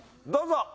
どうぞ。